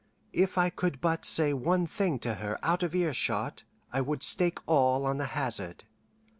If I could but say one thing to her out of earshot, I would stake all on the hazard.